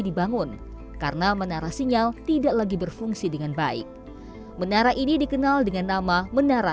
dibangun karena menara sinyal tidak lagi berfungsi dengan baik menara ini dikenal dengan nama menara